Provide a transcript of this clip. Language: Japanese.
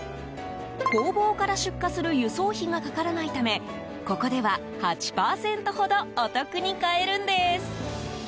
工房から出荷する輸送費がかからないためここでは、８％ほどお得に買えるんです。